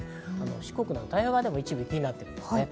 四国など太平洋側でも一部、雪になっています。